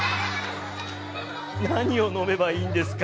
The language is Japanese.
何を飲めばいいんですか。